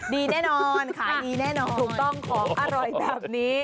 ดีแน่นอนค่ะเดี๋ยวผมต้องของอร่อยแบบนี้